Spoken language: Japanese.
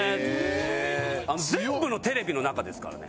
全部のテレビの中ですからね。